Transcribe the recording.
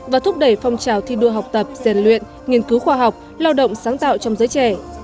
và thúc đẩy phong trào thi đua học tập rèn luyện nghiên cứu khoa học lao động sáng tạo trong giới trẻ